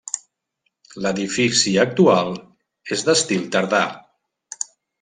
L'edifici actual és d'estil tardà.